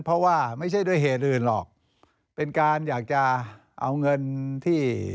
เพราะว่าไม่ใช่ด้วยเหตุอื่นหรอกเป็นการอยากจะเอาเงินที่